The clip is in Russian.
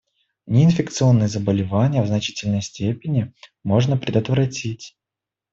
Неинфекционные заболевания в значительной степени можно предотвратить.